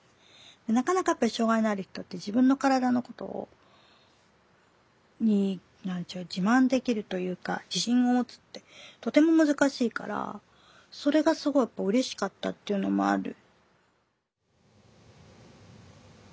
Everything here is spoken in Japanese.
なかなかやっぱり障害のある人って自分の身体のことに何て言う自慢できるというか自信を持つってとても難しいからそれがすごいうれしかったっていうのもある。